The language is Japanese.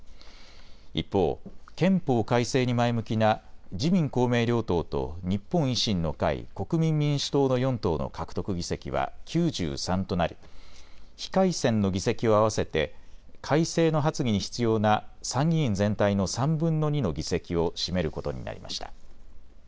一方、憲法改正に前向きな自民公明両党と日本維新の会、国民民主党の４党の獲得議席は９３となり非改選の議席を合わせて改正の発議に必要な参議院全体の３分の２の議席を占めることになりました。